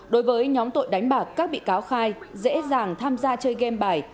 đối với nhóm tội đánh bạc các bị cáo khai dễ dàng tham gia chơi game bài